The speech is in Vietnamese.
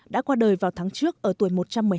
đã qua đời vào tháng trước ở tuổi một trăm một mươi hai